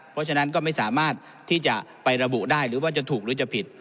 เพราะฉะนั้นก็ไม่สามารถที่จะไประบุได้หรือว่าจะถูกหรือจะผิด